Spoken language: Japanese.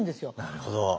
なるほど。